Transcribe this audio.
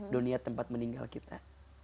dunia tempat meninggal kita